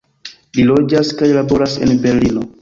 Li loĝas kaj laboras en Berlino.